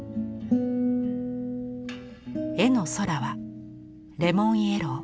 絵の空はレモンイエロー。